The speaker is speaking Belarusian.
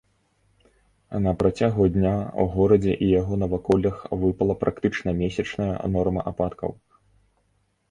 На працягу дня ў горадзе і яго наваколлях выпала практычна месячная норма ападкаў.